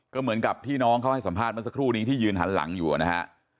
ก็เหมือนกับที่น้องเขาให้สัมภาษณ์เมื่อสักครู่นี้ที่ยืนหันหลังอยู่นะฮะ